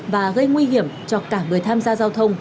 và gây nguy hiểm cho cả người tham gia giao thông